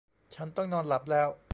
ฉันต้องนอนหลับแล้ว